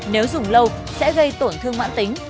nếu dùng lâu sẽ gây tổn thương mãn tính